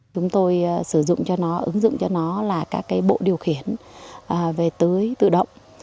chúng tôi sử dụng cho nó ứng dụng cho nó là các bộ điều khiển về tưới tự động